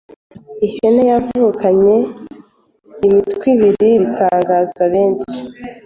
Ihene yavukanye imitwe ibiri bitangaza benshi